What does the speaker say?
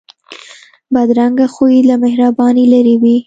بدرنګه خوی له مهربانۍ لرې وي